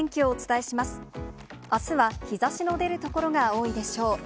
あすは日ざしの出る所が多いでしょう。